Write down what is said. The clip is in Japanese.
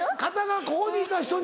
ここにいた人に。